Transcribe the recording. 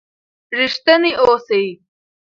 رښتیني اوسئ.